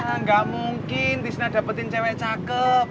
enggak mungkin tisna dapetin cewek cakep